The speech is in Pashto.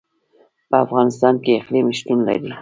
په افغانستان کې اقلیم شتون لري.